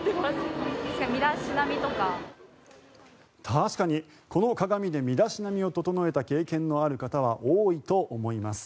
確かにこの鏡で身だしなみを整えた経験のある方は多いと思います。